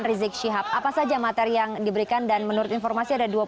rizik shihab berkata